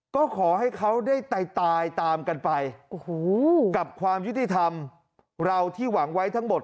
ก็ขอให้เขาได้ตายตามกันไปกับความยุติธรรมเราที่หวังไว้ทั้งหมด